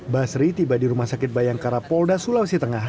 basri tiba di rumah sakit bayangkara polda sulawesi tengah